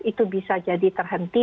itu bisa jadi terhentikan